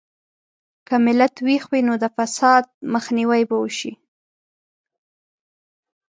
که ملت ویښ وي، نو د فساد مخنیوی به وشي.